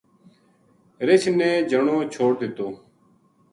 رچھ نے جنو چھوڈ دتو